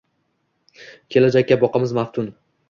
Kelajakka boqamiz maftun.